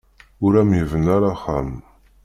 Ur am-yebni ara axxam.